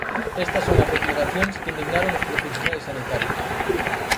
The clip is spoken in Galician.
Estas son as declaracións que indignaron os profesionais sanitarios.